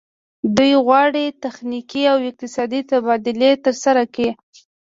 دوی غواړي تخنیکي او اقتصادي تبادلې ترسره کړي